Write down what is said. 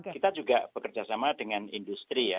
kita juga bekerjasama dengan industri ya